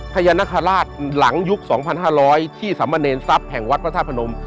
พญานาคาราชหลังยุค๒๕๐๐ที่สมเนรทรัพย์แห่งวัดพระธาตุพนม